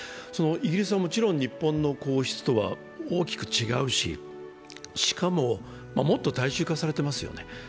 イギリスはもちろん日本の皇室とは大きく違うししかも、もっと大衆化されてますよね。